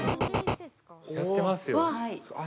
◆やってますよ。